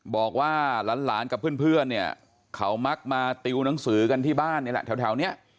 บอกว่าร้านกับเพื่อนเขามักมาติวหนังสือกันที่บ้านแถวนี้